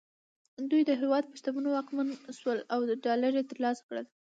دوی د هېواد په شتمنیو واکمن شول او ډالر یې ترلاسه کړل